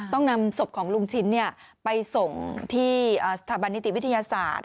ต้องนำศพของลุงชิ้นไปส่งที่สถาบันนิติวิทยาศาสตร์